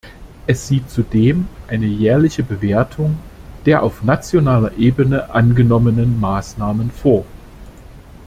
Es sieht zudem eine jährliche Bewertung der auf nationaler Ebene angenommenen Maßnahmen vor.